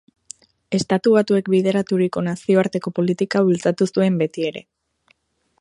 Estatu Batuek bideraturiko nazioarteko politika bultzatu zuen betiere.